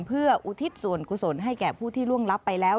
เพื่ออุทิศส่วนกุศลให้แก่ผู้ที่ล่วงรับไปแล้ว